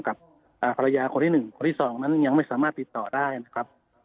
กับภรรยาคนที่๑คนที่๒นั้นยังไม่สามารถติดต่อได้นะครับ